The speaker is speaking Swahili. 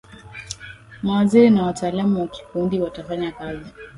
mawaziri na wataalamu wa kiufundi watafanya kazi